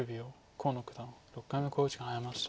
河野九段６回目の考慮時間に入りました。